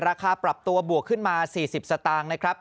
ราคาปรับตัวบวกขึ้นมา๔๐สตางค์นะครับ